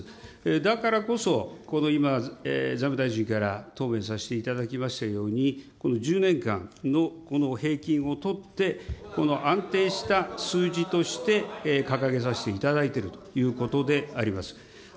だからこそ、この、今、財務大臣から答弁させていただきましたように、この１０年間の平均を取って、この安定した数字として掲げさせていただいているということであります。